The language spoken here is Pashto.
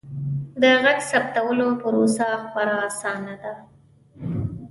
د غږ ثبتولو پروسه خورا اسانه ده.